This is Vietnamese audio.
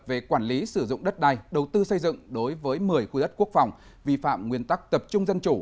về quản lý sử dụng đất đai đầu tư xây dựng đối với một mươi khu đất quốc phòng vi phạm nguyên tắc tập trung dân chủ